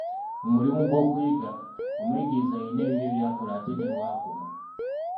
Mu mulimo gw'okuyiga, omuyigiriza alina ebibye by'akola ate ne w'akoma.